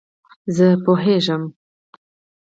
زه پوهېږم !